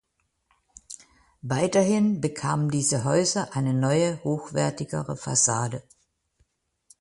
Weiterhin bekamen diese Häuser eine neue, hochwertigere Fassade.